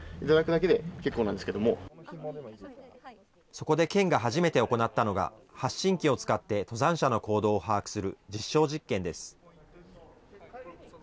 そこで県が初めて行ったのが、発信器を使って登山者の行動を把握する実証実験です。